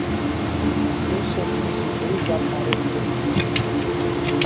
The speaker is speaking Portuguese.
Seu sorriso desapareceu.